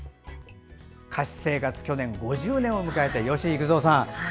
歌手生活５０年を迎えた吉幾三さんさん。